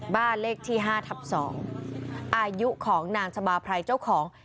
บ้านเลขที่๕ทับ๒อายุของนางชะบาไพรเจ้าของ